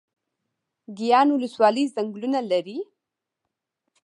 ګیان ولسوالۍ ځنګلونه لري؟